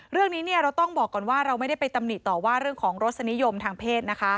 เรื่องนี้เราต้องบอกก่อนว่าเราไม่ได้ไปตำหนิต่อว่าเรื่องของรสนิยมทางเพศนะคะ